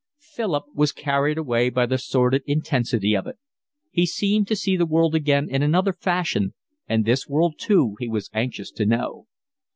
Philip was carried away by the sordid intensity of it. He seemed to see the world again in another fashion, and this world too he was anxious to know.